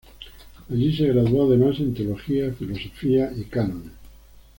Allí se graduó además en Teología, Filosofía y Cánones.